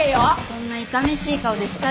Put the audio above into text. そんないかめしい顔で叱る前に。